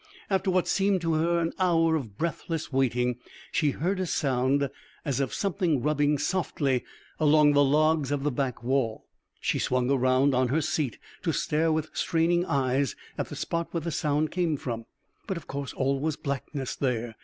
After what seemed to her an hour of breathless waiting, she heard a sound as of something rubbing softly along the logs of the back wall. She swung around on her seat to stare with straining eyes at the spot where the sound came from. But, of course, all was blackness there.